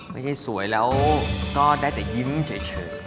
ไม่ใช่สวยแล้วก็ได้แต่ยิ้มเฉย